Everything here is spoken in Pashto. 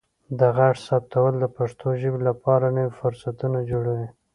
د غږ ثبتول د پښتو ژبې لپاره نوي فرصتونه جوړوي.